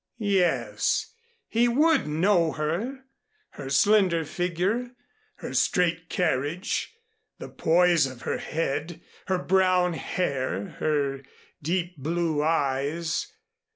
Yes, he would know her, her slender figure, her straight carriage, the poise of her head, her brown hair, her deep blue eyes.